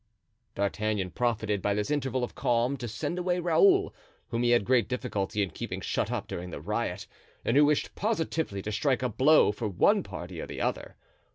D'Artagnan profited by this interval of calm to send away Raoul, whom he had great difficulty in keeping shut up during the riot, and who wished positively to strike a blow for one party or the other.